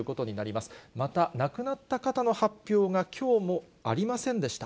また、亡くなった方の発表がきょうもありませんでした。